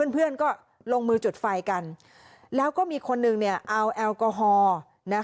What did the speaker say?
เพื่อนก็ลงมือจุดไฟกันแล้วก็มีคนหนึ่งเอาแอลกอฮอล์นะคะ